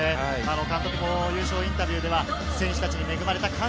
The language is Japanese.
監督も優勝インタビューでは選手たちに恵まれた。